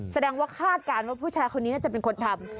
แสดงว่าคาดการณ์ว่าผู้ชายคนนี้น่าจะเป็นคนทำ